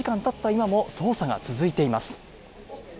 今も捜査が続いています。